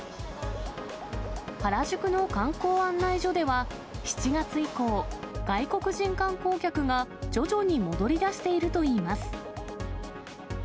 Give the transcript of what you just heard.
原宿の観光案内所では、７月以降、外国人観光客が徐々に戻りだしているといいます。